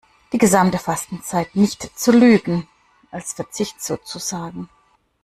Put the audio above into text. Die gesamte Fastenzeit nicht zu Lügen, als Verzicht sozusagen.